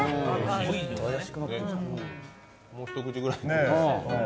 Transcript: もう一口ぐらい。